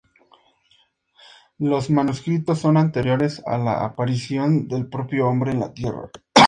Los manuscritos son anteriores a la aparición del propio Hombre en la Tierra.